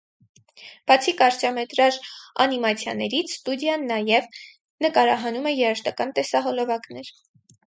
Բացի կարճամետրաժ անիմացիաներից, ստուդիան նաև նկարահանում է երաժշտական տեսահոլովակներ։